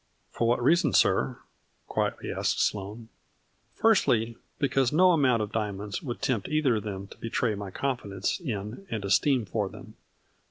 " For what reason, sir? " quietly asked Sloane. " Firstly, because no amount of diamonds A FLURRY IN DIAMONDS. 37 would tempt either of them to betray my confi dence in, and esteem for them.